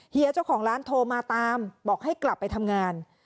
เฮียเจ้าของร้านโทรมาตามบอกให้กลับไปทำงาน